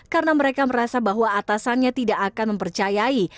karena mereka merasa bahwa atasannya tidak akan mempercayai